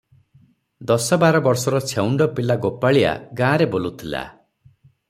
ଦଶ ବାର ବର୍ଷର ଛେଉଣ୍ଡ ପିଲା ଗୋପାଳିଆ ଗାଁରେ ବୁଲୁଥିଲା ।